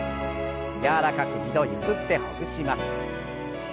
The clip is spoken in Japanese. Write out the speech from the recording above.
柔らかく２度ゆすってほぐします。